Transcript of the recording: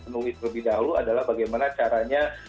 menuhi terlebih dahulu adalah bagaimana caranya